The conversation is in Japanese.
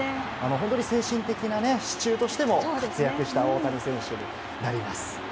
本当に精神的な支柱としても活躍した大谷選手になります。